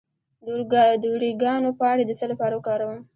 د اوریګانو پاڼې د څه لپاره وکاروم؟